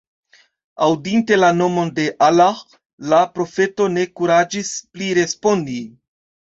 Aŭdinte la nomon de Allah, la profeto ne kuraĝis pli respondi.